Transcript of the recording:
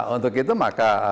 untuk itu maka